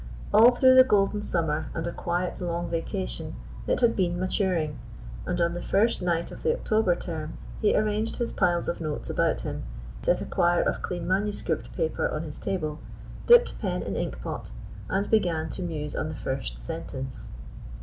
All through a golden summer and a quiet Long Vacation it had been maturing, and on the first night of the October term he arranged his piles of notes about him, set a quire of clean manuscript paper on his table, dipped pen in inkpot, and began to muse on the first sentence.